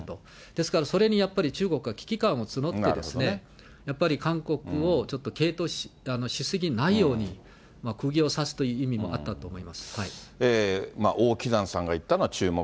ですからそれにやっぱり中国は危機感をつのって、やっぱり韓国をちょっと傾倒し過ぎないように、くぎを刺すという意味もあったと王岐山さんが行ったのは注目。